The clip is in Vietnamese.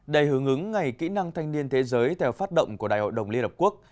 đầy hướng ứng ngày kỹ năng thanh niên thế giới theo phát động của đại hội đồng liên hợp quốc